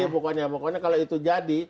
pokoknya kalau itu jadi